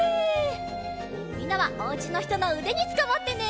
みんなはおうちのひとのうでにつかまってね！